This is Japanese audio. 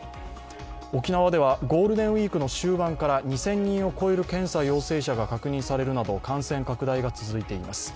沖縄ではゴールデンウイークの終盤から２０００人を超える検査陽性者が確認されるなど、感染拡大が続いています。